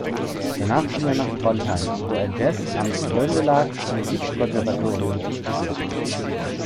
Danach ging er nach Trondheim, wo er Jazz am "Trøndelag Musikkonservatorium" studierte.